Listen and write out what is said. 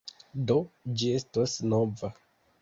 Do, ĝi estos nova.